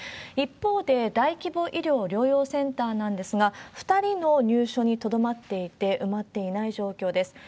一方で、大規模医療・療養センターなんですが、２人の入所にとどまっていて、埋まっていない状況です。